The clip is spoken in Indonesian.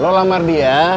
lu lamar dia